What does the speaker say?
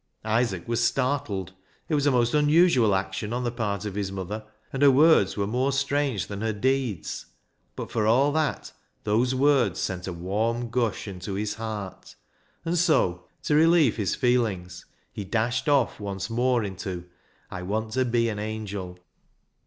Isaac was startled. It was a most unusual action on the part of his mother, and her words were more strange than her deeds. But for all that those words sent a warm gush into his heart, and so, to relieve his feelings, he dashed off once more into " I want to be an angel."